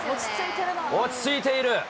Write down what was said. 落ち着いている。